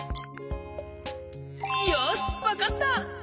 よしわかった！